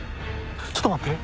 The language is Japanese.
ちょっと待って。